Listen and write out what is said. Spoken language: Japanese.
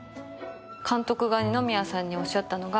監督が二宮さんにおっしゃったのが